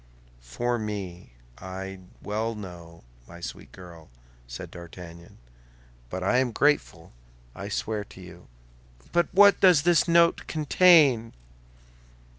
"For me, I well know, my sweet girl," said D'Artagnan. "But I am grateful, I swear to you." "But what does this note contain?"